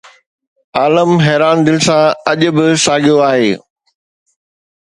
عالم حيران دل سان اڄ به ساڳيو آهي